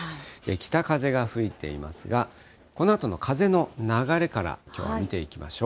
北風が吹いていますが、このあとの風の流れからきょうは見ていきましょう。